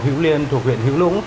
hữu liên thuộc huyện hữu lũng